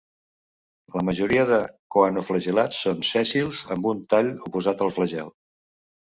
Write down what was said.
La majoria de coanoflagel·lats són sèssils amb un tall oposat al flagel.